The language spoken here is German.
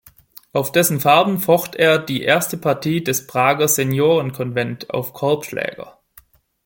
Auf dessen Farben focht er die erste Partie des Prager Senioren-Convent auf Korbschläger.